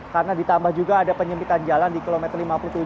karena ditambah juga ada penyempitan jalan di kilometer lima puluh tujuh